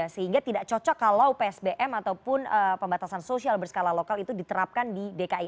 sehingga tidak cocok kalau psbm ataupun pembatasan sosial berskala lokal itu diterapkan di dki